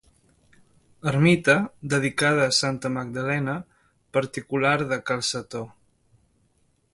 Ermita, dedicada a Santa Magdalena, particular de cal Setó.